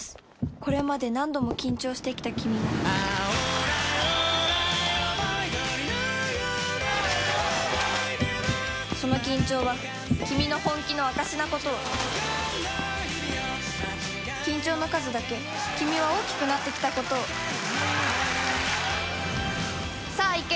これまで何度も緊張してきたキミをその緊張はキミの本気の証しなことを緊張の数だけキミは大きくなってきたことをさぁいけ！